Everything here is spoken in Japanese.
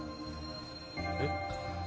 えっ？